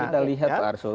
dan kita lihat pak arsul